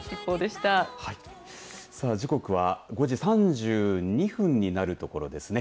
時刻は５時３２分になるところですね。